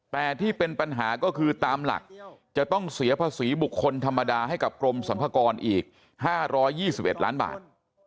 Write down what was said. แต่ที่เป็นปัญหาก็คือตามหลักจะต้องเสียภาษีบุคคลธรรมดาให้กับกรมสรรพากรอีก๕๒๑ล้านบาท